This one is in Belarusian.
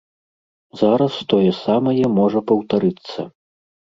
Зараз тое самае можа паўтарыцца.